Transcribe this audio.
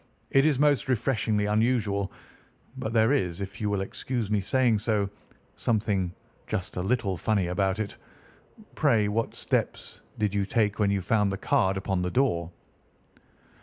It is most refreshingly unusual. But there is, if you will excuse my saying so, something just a little funny about it. Pray what steps did you take when you found the card upon the door?"